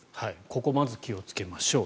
ここをまず気をつけましょう。